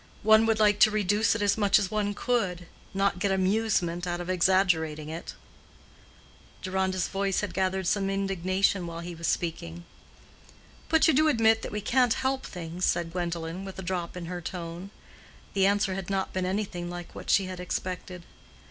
One would like to reduce it as much as one could, not get amusement out of exaggerating it." Deronda's voice had gathered some indignation while he was speaking. "But you do admit that we can't help things," said Gwendolen, with a drop in her tone. The answer had not been anything like what she had expected.